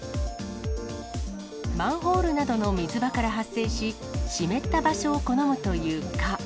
マンホールなどの水場から発生し、湿った場所を好むという蚊。